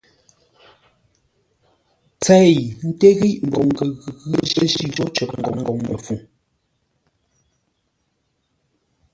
Tsei ńté ghíʼ mbuʼ-ngoŋ kə ghʉ̌ pə́ jî ghô cər paghʼə ngoŋ Mbəfuŋ.